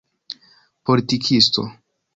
politikisto